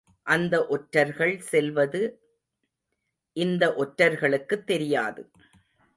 அந்த ஒற்றர்கள் செல்வது இந்த ஒற்றர்களுக்குத் தெரியாது.